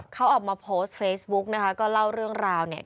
เขาออกมาโพสต์เฟซบุ๊กนะคะก็เล่าเรื่องราวเนี่ย